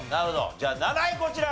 じゃあ７位こちら！